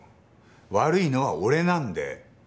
悪いのは俺なんで。